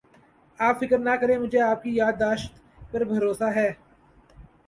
آپ فکر نہ کریں مجھے آپ کی یاد داشت پر بھروسہ ہے